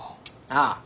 ああ。